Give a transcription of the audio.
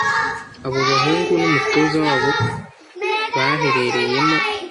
abo bahungu n'umutoza wabo baherereyemo.